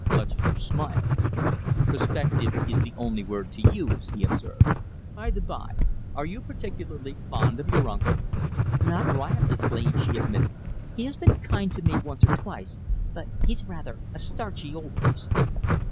Lutchester smiled. "Prospective is the only word to use," he observed. "By the bye, are you particularly fond of your uncle?" "Not riotously," she admitted. "He has been kind to me once or twice, but he's rather a starchy old person."